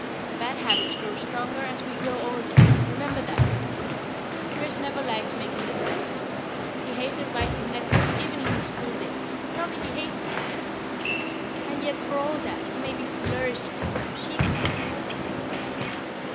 Bad habits grow stronger as we grow older remember that, Joa. Trist never liked making little efforts. He hated writing letters even in his school days probably he hates it still. And yet, for all that, he may be flourishing on some sheep farm or other."